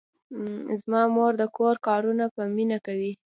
زما مور د کور کارونه په مینه کوي.